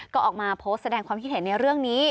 ก็ออกมาโพสต์แสดงความคิดเห็นในเรื่องนี้